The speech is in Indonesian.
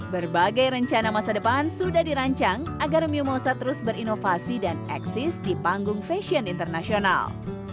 berbagai rencana masa depan sudah dirancang agar miu mosa terus berinovasi dan eksis di panggung fashion internasional